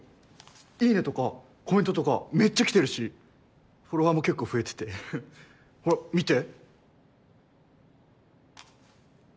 「いいね！」とかコメントとかめっちゃ来てるしフォロワーも結構増えててほら見て。